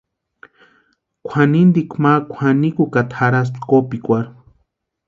Kwʼanintikwa ma kwʼanikukata jarhaspti kopikwarhu.